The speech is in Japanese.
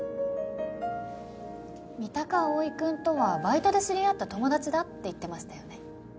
三鷹蒼くんとはバイトで知り合った友達だって言ってましたよね？